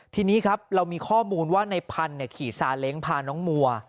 ทีนี้ครับเรามีข้อมูลว่าในพันธุ์ขี่ซาเล้งพาน้องมัว